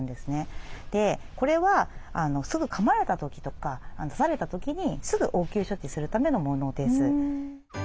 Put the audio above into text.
でこれはかまれた時とか刺された時にすぐ応急処置するためのものです。